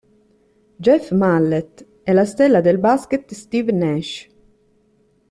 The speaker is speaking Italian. Jeff Mallett, e la stella del basket Steve Nash.